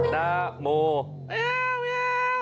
น้าโมเม้าเมี๊ย